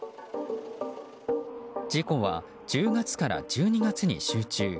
事故は、１０月から１２月に集中。